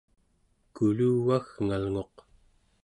kuluvagngalnguq